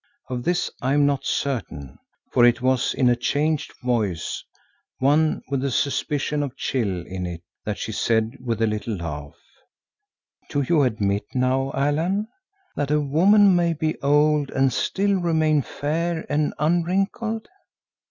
Of this I am not certain, for it was in a changed voice, one with a suspicion of chill in it that she said with a little laugh, "Do you admit now, Allan, that a woman may be old and still remain fair and unwrinkled?"